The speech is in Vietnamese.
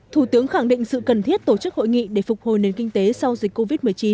thủ tướng khẳng định sự cần thiết tổ chức hội nghị để phục hồi nền kinh tế sau dịch covid một mươi chín